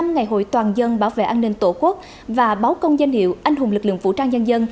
một mươi ngày hội toàn dân bảo vệ an ninh tổ quốc và báo công danh hiệu anh hùng lực lượng vũ trang nhân dân